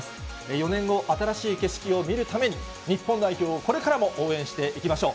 ４年後、新しい景色を見るために、日本代表をこれからも応援していきましょう。